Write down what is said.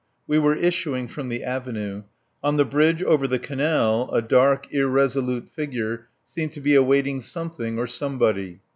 We were issuing from the avenue. On the bridge over the canal a dark, irresolute figure seemed to be awaiting something or somebody.